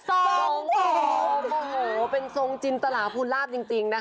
โอ้โฮเป็นทรงจินตระพูดราบจริงนะคะ